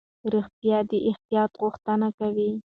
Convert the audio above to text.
روغتیا د احتیاط غوښتنه کوي.